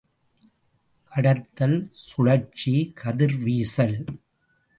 கடத்தல், சுழற்சி, கதிர்வீசல்.